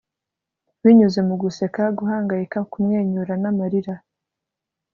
binyuze mu guseka, guhangayika, kumwenyura n'amarira